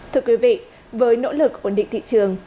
thưa quý vị với nỗ lực ổn định thị trường